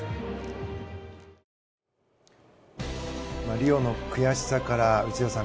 リオの悔しさから内田さん